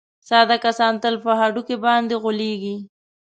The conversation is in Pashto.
ساده کسان تل په هډوکي باندې غولېږي.